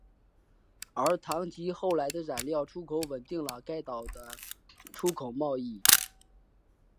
而糖及后来的染料出口稳定了该岛的出口贸易。